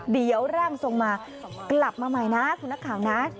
เดี๋ยวร่างทรงมากลับมาใหม่นะคุณนักข่าวนะ